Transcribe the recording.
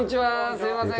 すいません。